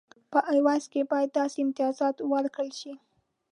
په عوض کې باید داسې امتیازات ورکړل شي.